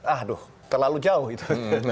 aduh terlalu jauh itu